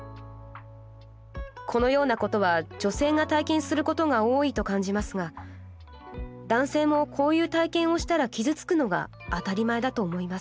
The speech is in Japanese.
このようなことは女性が体験することが多いと感じますが男性もこういう体験をしたら傷付くのが当たり前だと思います。